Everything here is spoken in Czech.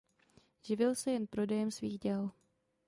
Živil se jen prodejem svých děl.